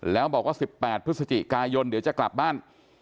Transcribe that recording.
แล้วบอกว่า๑๘พฤศจิกายนเดี๋ยวจะกลับบ้าน